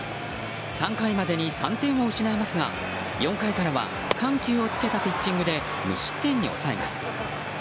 ３回までに３点を失いますが４回からは緩急をつけたピッチングで無失点に抑えます。